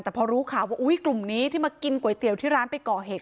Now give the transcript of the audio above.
แต่พอรู้ข่าวว่าอุ้ยกลุ่มนี้ที่มากินก๋วยเตี๋ยวที่ร้านไปก่อเหตุ